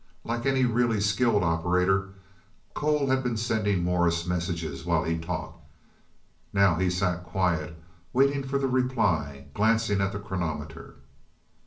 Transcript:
Like any really skilled operator, Cole had been sending Morse messages while he talked. Now he sat quiet waiting for the reply, glancing at the chronometer.